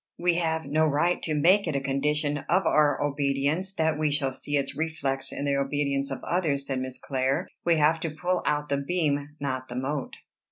"We have no right to make it a condition of our obedience, that we shall see its reflex in the obedience of others," said Miss Clare. "We have to pull out the beam, not the mote."